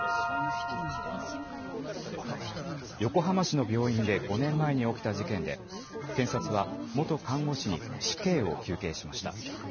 横浜市の病院で５年前に起きた事件で検察は元看護師に死刑を求刑しました。